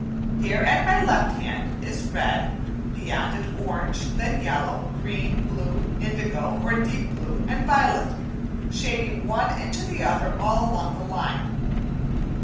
Here at my left hand is the red, beyond it orange, then yellow, green, blue, indigo or deep blue, and violet, shading one into the other all along the line.